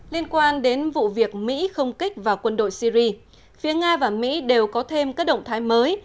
liên quan đến vụ việc mỹ không kích vào quân đội syri phía nga và mỹ đều có thêm các động thái mới